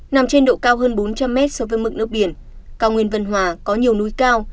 nằm trên độ cao hơn bốn trăm linh mét so với mực nước biển cao nguyên vân hòa có nhiều núi cao